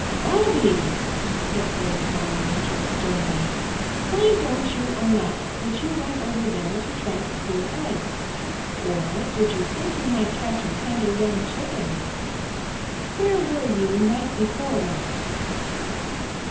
"Bobby," said Old Mother Nature sternly, "why don't you own up that you went over there to try to steal eggs? Or did you think you might catch a tender young Chicken? Where were you night before last?"